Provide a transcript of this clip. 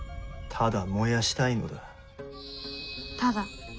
・「ただ燃やしたいのだ」。